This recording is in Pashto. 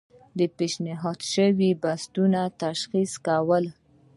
د پیشنهاد شویو بستونو تشخیص کول.